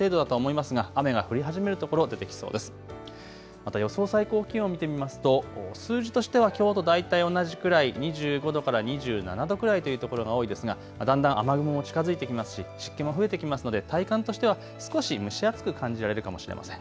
また予想最高気温、見てみますと数字としてはきょうと大体同じくらい、２５度から２７度くらいのところが多いですが、だんだん雨雲も近づいてきますし、湿気も増えてきますので体感としては少し蒸し暑く感じられるかもしれません。